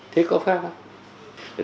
thế có phép không